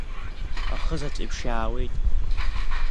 Ахызаҵә еиԥш иаауеит.